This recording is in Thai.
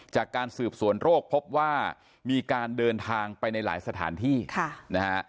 จากการสืบสวนโรคพบว่ามีการเดินทางไปในหลายสถานที่นะฮะ